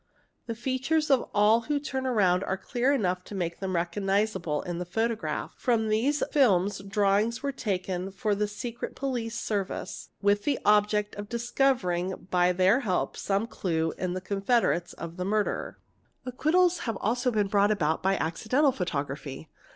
The features of all whe turned round are clear enough to make them recognizable in the photo graph. From these films drawings were taken for the secret, Police |/ Service, with the object of discovering by their help some clue to th confederates of the murderer. a Acquittals have also been brought about by "'accidental photography.